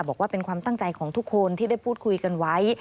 บอกว่าเป็นความตั้งใจของทุกคนที่ได้พูดคุยกันไว้